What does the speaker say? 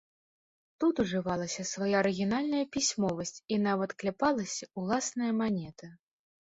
Тут ужывалася свая арыгінальная пісьмовасць і нават кляпалася ўласная манета.